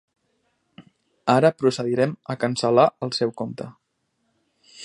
Ara procedirem a cancel·lar el seu compte.